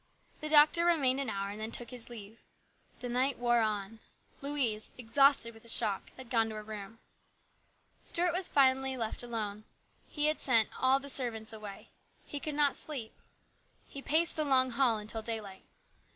The doctor remained an hour and then took his leave. The night wore on. Louise, exhausted with the shock, had gone to her room. Stuart was finally left alone. He sent all the servants away. He could not sleep. He paced the long hall until daylight.